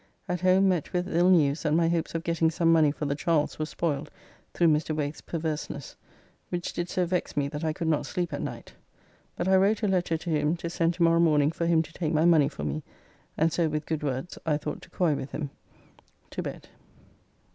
At home met with ill news that my hopes of getting some money for the Charles were spoiled through Mr. Waith's perverseness, which did so vex me that I could not sleep at night. But I wrote a letter to him to send to morrow morning for him to take my money for me, and so with good words I thought to coy with him. To bed.